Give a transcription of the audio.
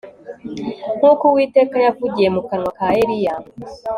nkuko Uwiteka yavugiye mu kanwa ka Eliya